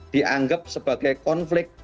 dianggap sebagai konflik